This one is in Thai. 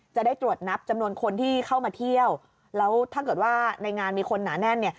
จะได้ตรวจนับจำนวนคนที่เข้ามาเที่ยวแล้วถ้าเกิดว่าในงานมีคนหนาแน่นเนี่ย